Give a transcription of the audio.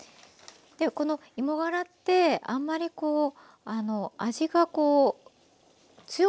この芋がらってあんまりこう味がこう強くないんですよね。